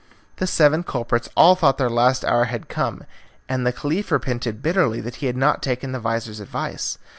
The seven culprits all thought their last hour had come, and the Caliph repented bitterly that he had not taken the vizir's advice.